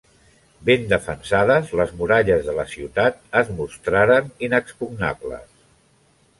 Ben defensades, les muralles de la ciutat es mostraren inexpugnables.